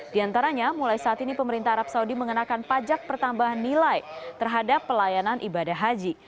di antaranya mulai saat ini pemerintah arab saudi mengenakan pajak pertambahan nilai terhadap pelayanan ibadah haji